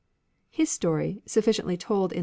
His story, sufficiently told genesis.